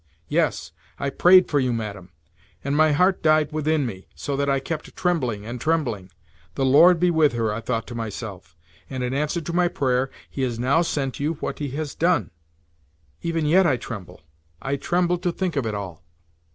Yes, I prayed for you, Madame, and my heart died within me, so that I kept trembling and trembling. The Lord be with her, I thought to myself; and in answer to my prayer He has now sent you what He has done! Even yet I tremble—I tremble to think of it all."